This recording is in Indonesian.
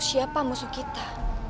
siapa musuh kita